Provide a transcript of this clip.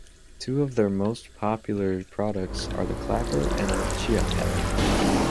Two of their most popular products are The Clapper and the Chia Pet.